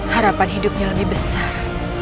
harapan hidupnya lebih besar